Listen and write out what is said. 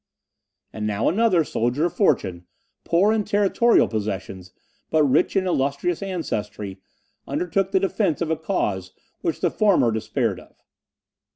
And now another soldier of fortune, poor in territorial possessions, but rich in illustrious ancestry, undertook the defence of a cause which the former despaired of.